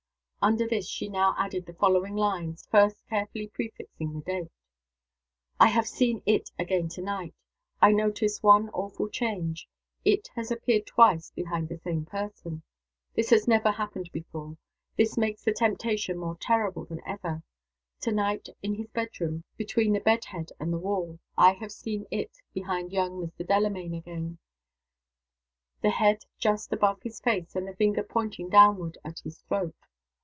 Under this she now added the following lines, first carefully prefixing the date: "I have seen IT again to night. I notice one awful change. IT has appeared twice behind the same person. This has never happened before. This makes the temptation more terrible than ever. To night, in his bedroom, between the bed head and the wall, I have seen IT behind young Mr. Delamayn again. The head just above his face, and the finger pointing downward at his throat.